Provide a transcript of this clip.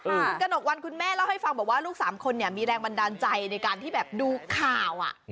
คุณกระหนกวันคุณแม่เล่าให้ฟังบอกว่าลูกสามคนเนี่ยมีแรงบันดาลใจในการที่แบบดูข่าว